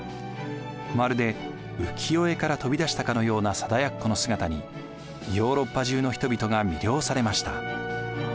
まるで浮世絵から飛び出したかのような貞奴の姿にヨーロッパ中の人々が魅了されました。